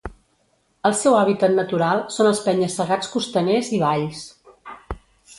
El seu hàbitat natural són els penya-segats costaners i valls.